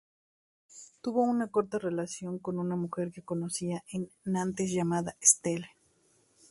Tuvo una corta relación con una mujer que conoció en Nantes llamada Estelle.